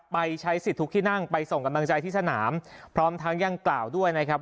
ไปใช้สิทธิ์ทุกที่นั่งไปส่งกำลังใจที่สนามพร้อมทั้งยังกล่าวด้วยนะครับ